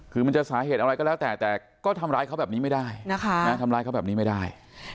คือมันจะสาเหตุอะไรก็แล้วแต่แต่ก็ทำร้ายเขาแบบนี้ไม่ได้นะคะทำร้ายเขาแบบนี้ไม่ได้